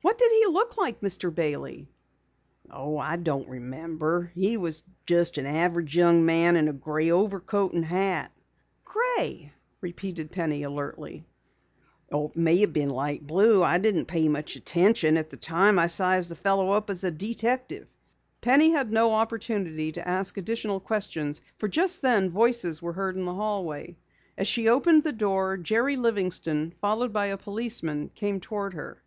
"What did he look like, Mr. Bailey?" "Oh, I don't remember. He was just an average young man in a gray overcoat and hat." "Gray?" repeated Penny alertly. "It may have been light blue. I didn't pay much attention. At the time I sized up the fellow as a detective." Penny had no opportunity to ask additional questions for just then voices were heard in the hallway. As she opened the door, Jerry Livingston, followed by a policeman, came toward her.